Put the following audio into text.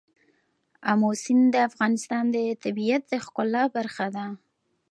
آمو سیند د افغانستان د طبیعت د ښکلا برخه ده.